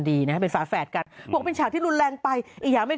ดีนะฮะเป็นสาแฝดกันพวกเพื่อนฉากที่รุนแรงไปอียาไม่